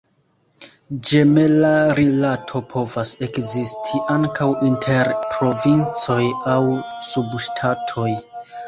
Ĝemela rilato povas ekzisti ankaŭ inter provincoj aŭ subŝtatoj.